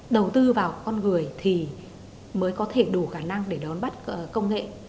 đầu tư vào con người thì mới có thể đủ khả năng để đón bắt công nghệ